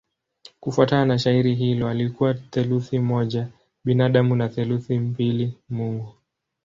Kufuatana na shairi hilo alikuwa theluthi moja binadamu na theluthi mbili mungu.